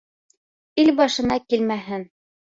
Ил башына килмәһен.